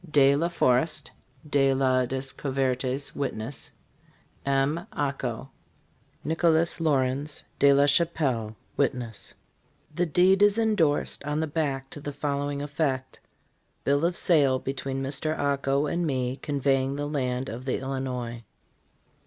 "Ds LA FOREST. DE LA DESCOUVERTES, Witness. "M. Aco. NICOLAS LAURENS, DE LA CHAPELLE, Witness." The deed is indorsed on the back to the following effect :'' Bill of sale between Mr. Ako and me conveying the land of the Illinois."